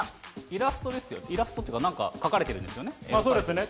イラストですよね、イラストっていうか、なんか描かれてるんそうですよね。